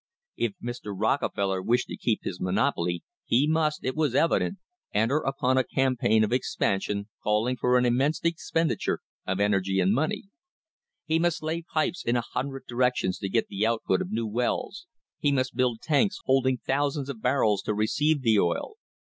If Mr. Rockefeller wished to keep his monopoly he must, it was evident, enter upon a cam | paign of expansion calling for an immense expenditure of energy and money. He must lay pipes in a hundred directions to get the output of new wells ; he must build tanks holding thousands of barrels to receive the oil.